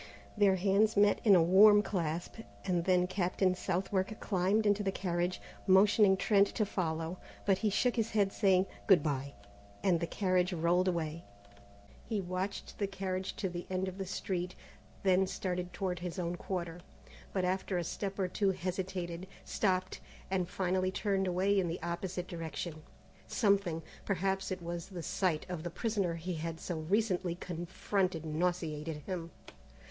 Their hands met in a warm clasp, and then Captain Southwark climbed into the carriage, motioning Trent to follow; but he shook his head saying, "Good bye!" and the carriage rolled away. He watched the carriage to the end of the street, then started toward his own quarter, but after a step or two hesitated, stopped, and finally turned away in the opposite direction. Something perhaps it was the sight of the prisoner he had so recently confronted nauseated him.